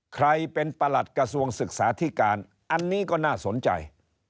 ใครเป็นประหลัดกระทรวงศึกษาธิการอันนี้ก็น่าสนใจ